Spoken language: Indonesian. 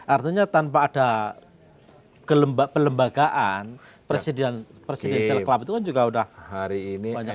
artinya tanpa ada pelembagaan presiden presiden sel klub itu kan juga udah banyak banyak